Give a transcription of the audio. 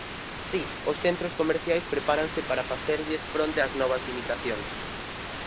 Si, os centros comerciais prepáranse para facerlles fronte ás novas limitacións.